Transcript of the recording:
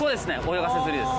泳がせ釣りです